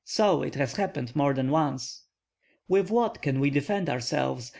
So it has happened more than once." "With what can we defend ourselves?